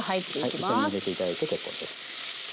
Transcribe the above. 一緒に入れて頂いて結構です。